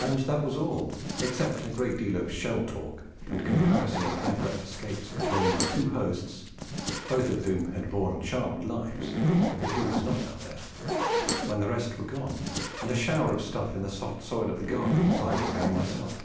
And that was all, except a great deal of shell talk, and comparison of hair breadth escapes, between my two hosts (both of whom had borne charmed lives but who has not, out there?) when the rest were gone, and a shower of stuff in the soft soil of the garden as I was going myself.